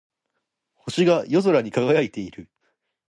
星が夜空に輝いている。